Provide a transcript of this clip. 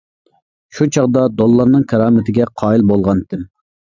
شۇ چاغدا دوللارنىڭ كارامىتىگە قايىل بولغانتىم.